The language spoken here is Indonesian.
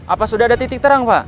apa sudah ada titik terang pak